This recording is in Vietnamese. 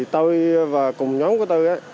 tôi và cùng nhóm của tôi